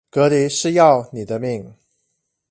隔離是要你的命